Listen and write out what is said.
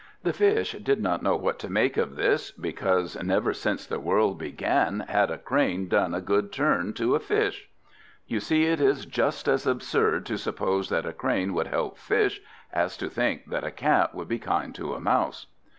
The Fish did not know what to make of this, because never since the world began had a crane done a good turn to a fish. You see it is just as absurd to suppose that a crane would help fish, as to think that a cat would be kind to a mouse.